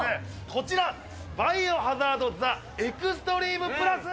こちら、バイオハザード・ザ・エクストリームプラス。